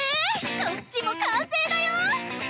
こっちも完成だよ！